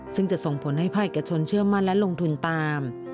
ซึ่งจะส่งผลให้ภาคเอกชนเชื่อมั่นและลงทุนตาม